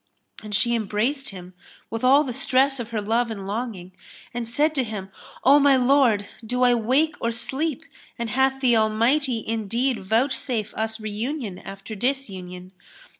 [FN#302] And she embraced him with all the stress of her love and longing and said to him, "O my lord do I wake or sleep and hath the Almighty indeed vouchsafe] us reunion after disunion?